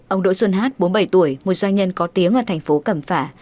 ông đỗ xuân hát bốn mươi bảy tuổi một doanh nhân có tiếng ở thành phố cẩm phả